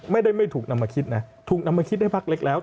ไม่ได้ไม่ถูกนำมาคิดนะถูกนำมาคิดให้พักเล็กแล้ว